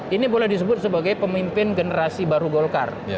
ini boleh disebut sebagai pemimpin generasi baru golkar